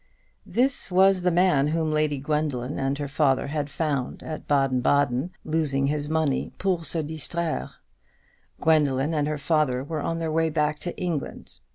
This was the man whom Lady Gwendoline and her father had found at Baden Baden, losing his money pour se distraire. Gwendoline and her father were on their way back to England.